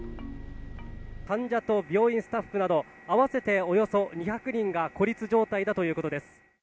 患者と病院スタッフなど、合わせておよそ２００人が孤立状態だということです。